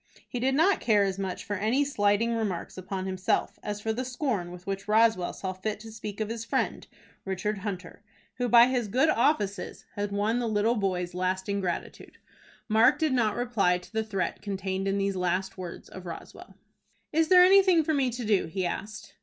He did not care as much for any slighting remarks upon himself, as for the scorn with which Roswell saw fit to speak of his friend, Richard Hunter, who by his good offices had won the little boy's lasting gratitude. Mark did not reply to the threat contained in these last words of Roswell. "Is there anything for me to do?" he asked.